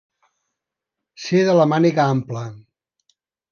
Ser de la màniga ampla.